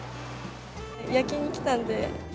焼きに来たんで。